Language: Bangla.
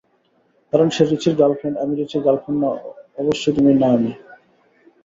কারণ সে রিচির গার্লেফ্রন্ড আমি রিচির গার্লেফ্রন্ড না অবশ্যই তুমি না আমি না।